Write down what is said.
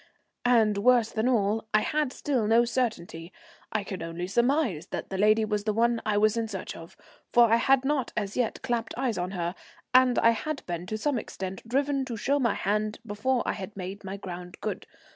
And, worse than all, I had still no certainty. I could only surmise that the lady was the one I was in search of, for I had not as yet clapt eyes on her, and I had been to some extent driven to show my hand before I had made my ground good.